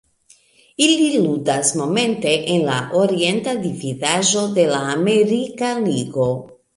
Ili ludas momente en la Orienta Dividaĵo de la Amerika Ligo.